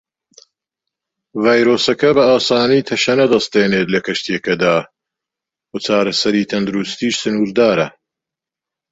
ڤایرۆسەکە بە ئاسانی تەشەنە دەستێنێت لە کەشتییەکەدا وە چارەسەری تەندروستیش سنوردارە.